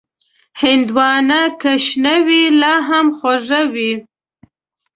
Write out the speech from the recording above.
هندوانه که شنه وي، لا هم خوږه وي.